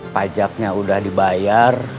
pajaknya udah dibayar